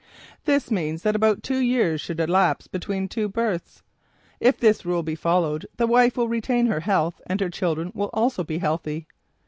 This means that about two years should elapse between two births. If this rule be followed, the wife will retain her health, and her children will also be healthy.